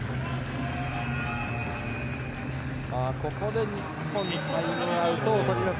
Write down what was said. ここで日本タイムアウトをとります。